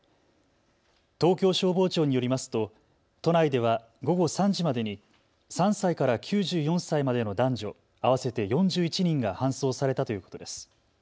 東京消防庁によりますと都内では午後３時までに３歳から９４歳までの男女合わせて４１人が搬送されたということです。